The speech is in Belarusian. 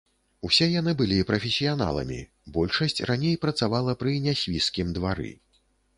Усе яны былі прафесіяналамі, большасць раней працавала пры нясвіжскім двары.